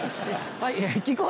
はい。